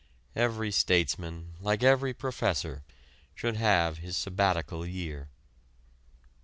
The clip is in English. Every statesman like every professor should have his sabbatical year.